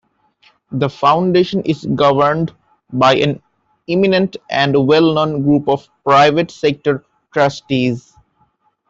The Foundation is governed by an eminent and well-known group of private sector trustees.